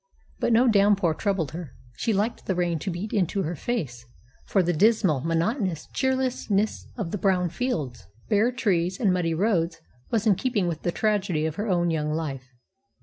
But no downpour troubled her. She liked the rain to beat into her face, for the dismal, monotonous cheerlessness of the brown fields, bare trees, and muddy roads was in keeping with the tragedy of her own young life.